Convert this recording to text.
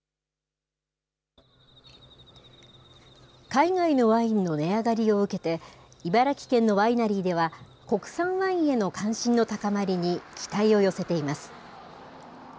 海外のワインの値上がりを受けて、茨城県のワイナリーでは、国産ワインへの関心の高まりに期待を寄せています。